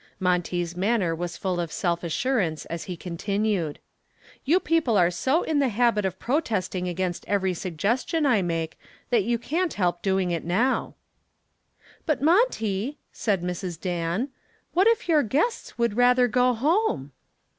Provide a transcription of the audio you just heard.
Monty's manner was full of self assurance as he continued: "You people are so in the habit of protesting against every suggestion I make that you can't help doing it now." "But, Monty," said Mrs. Dan, "what if your guests would rather go home."